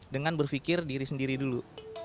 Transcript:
dengan berpikir diri sendiri dulu